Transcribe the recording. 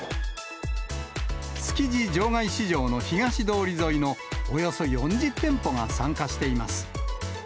築地場外市場の東通り沿いのおよそ４０店舗が参加しています。